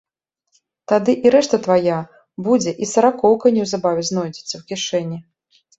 Тады і рэшта твая будзе і саракоўка неўзабаве знойдзецца ў кішэні.